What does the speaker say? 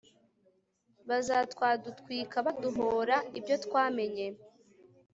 bazatwadutwika baduhora ibyo twamenye